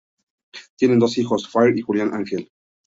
Tienen dos hijos, Fire y Julian Angel.